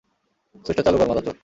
সুইচটা চালু কর, মাদারচোদ।